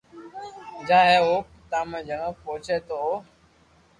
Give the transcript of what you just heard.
جائي ھي او پتماتما جنو پوچي تو او